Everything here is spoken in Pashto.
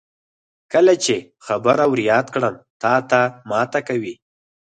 کله چې خبره ور یاده کړم تاته ماته کوي.